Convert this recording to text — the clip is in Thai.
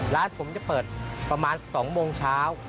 ร้านผมจะเปิดประมาณ๒โมงเช้า